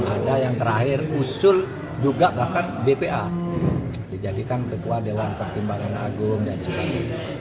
ada yang terakhir usul juga bahkan bpa dijadikan ketua dewan pertimbangan agung dan sebagainya